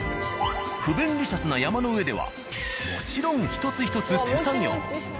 不便利シャスな山の上ではもちろん一つ一つ手作業。